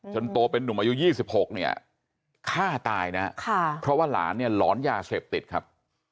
โตเป็นนุ่มอายุ๒๖เนี่ยฆ่าตายนะเพราะว่าหลานเนี่ยหลอนยาเสพติดครับ